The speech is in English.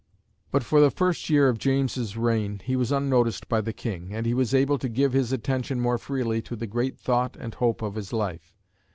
But for the first year of James's reign he was unnoticed by the King, and he was able to give his attention more freely to the great thought and hope of his life.